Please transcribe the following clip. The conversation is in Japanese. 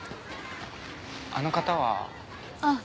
あの方は？あっ。